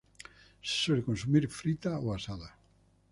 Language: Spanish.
Se suele consumir frita o asada.